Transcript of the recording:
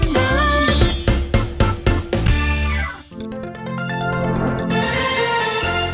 มาวางละค่ะ